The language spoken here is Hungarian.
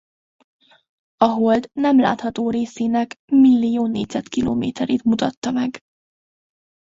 A Hold nem látható részének millió négyzetkilométerét mutatta meg.